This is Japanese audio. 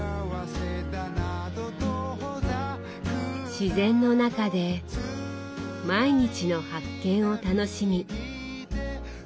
自然の中で毎日の発見を楽しみ。